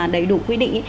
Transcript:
đầy đủ quy định